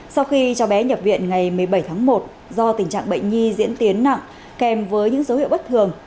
sau khi cháu bé nhập viện ngày một mươi bảy tháng một do tình trạng bệnh nhi diễn tiến nặng kèm với những dấu hiệu bất thường